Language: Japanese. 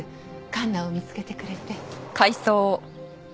環奈を見つけてくれて。